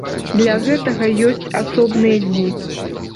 Для гэтага ёсць асобныя дні.